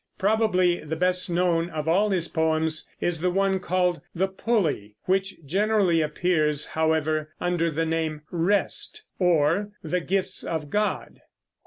Probably the best known of all his poems is the one called "The Pulley," which generally appears, however under the name "Rest," or "The Gifts of God."